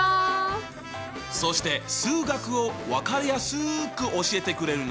そして数学を分かりやすく教えてくれるのが湯浅先生。